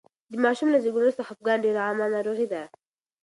د ماشوم له زېږون وروسته خپګان ډېره عامه ناروغي ده.